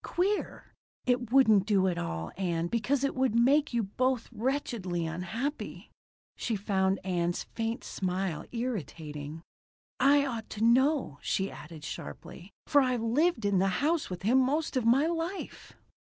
Queer. It wouldn't do at all, Ann, because it would make you both wretchedly unhappy." She found Ann's faint smile irritating. "I ought to know," she added sharply, "for I've lived in the house with him most of my life."